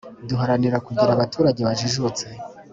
duharanira kugira abaturage bajijutse